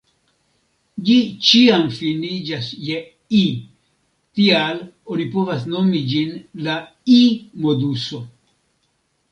Ĝi ĉiam finiĝas je -i, tial oni povas nomi ĝin „la i-moduso.